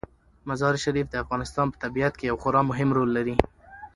مزارشریف د افغانستان په طبیعت کې یو خورا مهم رول لري.